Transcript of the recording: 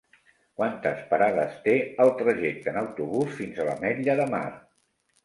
Quantes parades té el trajecte en autobús fins a l'Ametlla de Mar?